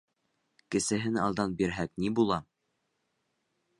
Кесеһен алдан бирһәк ни була?